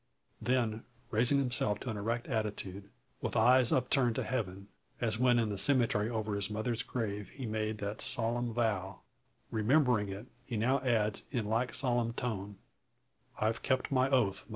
Then raising himself to an erect attitude, with eyes upturned to heaven as when in the cemetery over his mother's grave, he made that solemn vow remembering it, he now adds in like solemnal tone "_I've kept my oath.